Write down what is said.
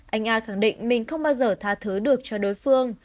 anh a khẳng định mình không bao giờ tha thứ được cho đối phương